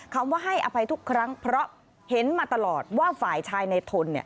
คำว่าให้อภัยทุกครั้งเพราะเห็นมาตลอดว่าฝ่ายชายในทนเนี่ย